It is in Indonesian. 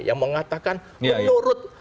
yang mengatakan menurut